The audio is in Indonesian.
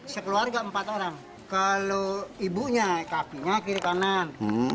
sekeluarga empat orang kalau ibunya kakinya kiri kanan